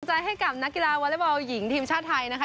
ใจให้กับนักกีฬาวอเล็กบอลหญิงทีมชาติไทยนะคะ